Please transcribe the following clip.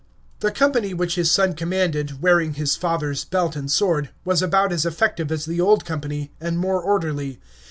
The company which his son commanded, wearing his father's belt and sword, was about as effective as the old company, and more orderly.